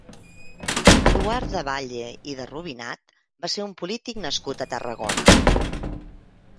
Eduard de Balle i de Rubinat va ser un polític nascut a Tarragona.